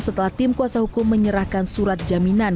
setelah tim kuasa hukum menyerahkan surat jaminan